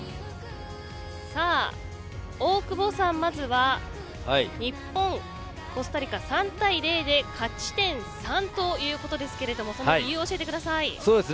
大久保さん、まずは日本、コスタリカ３対０で勝ち点３ということですけれどもその理由を教えてください。